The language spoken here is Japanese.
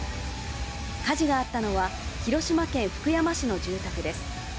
火事があったのは、広島県福山市の住宅です。